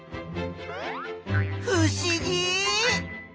ふしぎ！